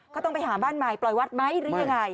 ต้องไปหาบ้านใหม่ปล่อยวัดไหมหรือยังไง